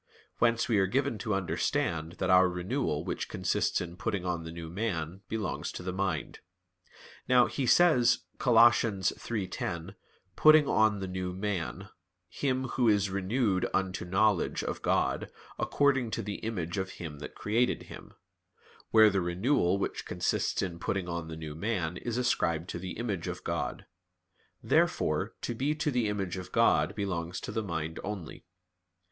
Whence we are given to understand that our renewal which consists in putting on the new man, belongs to the mind. Now, he says (Col. 3:10): "Putting on the new" man; "him who is renewed unto knowledge" of God, "according to the image of Him that created him," where the renewal which consists in putting on the new man is ascribed to the image of God. Therefore to be to the image of God belongs to the mind only.